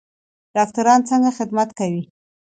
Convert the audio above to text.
ډاکټران څنګه خدمت کوي؟